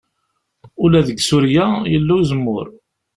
Ula deg Surya yella uzemmur.